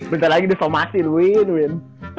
bentar lagi difomasin win win